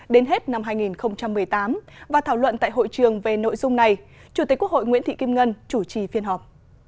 đến hết năm hai nghìn một mươi tám và thảo luận tại hội trường về nội dung này chủ tịch quốc hội nguyễn thị kim ngân chủ trì phiên họp